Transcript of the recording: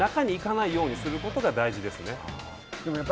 中に行かないようにすることが大事ですね。